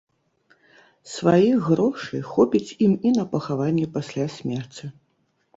Сваіх грошай хопіць ім і на пахаванне пасля смерці.